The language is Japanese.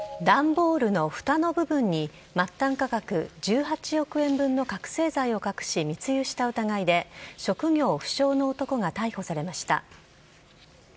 段ボールのふたの部分に末端価格１８億円分の覚醒剤を隠し、密輸した疑いで職業不詳の男が逮捕されました。